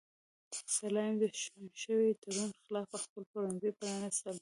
سلایم د شوي تړون خلاف خپل پلورنځي پرانیستل.